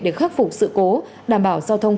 để khắc phục sự cố đảm bảo giao thông